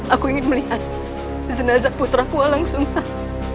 aku ingin melihat jenazah putraku walang sungsang